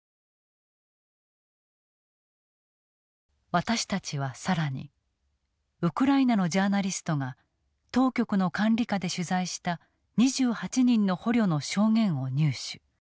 私たちは更にウクライナのジャーナリストが当局の管理下で取材した２８人の捕虜の証言を入手。